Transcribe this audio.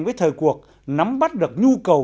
với thời cuộc nắm bắt được nhu cầu